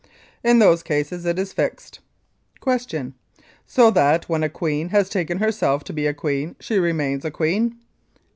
In those cases it is fixed. Q. So that when a "queen" has taken herself to be a queen, she remains a queen?